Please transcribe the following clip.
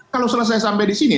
kalau selesai sampai di sini